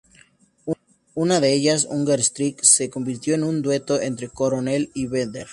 Una de ellas, "Hunger Strike", se convirtió en un dueto entre Cornell y Vedder.